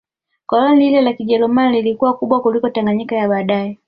Koloni lile la Kijerumani lilikuwa kubwa kuliko Tanganyika ya baadae